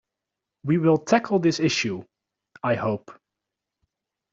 We will tackle this issue, I hope.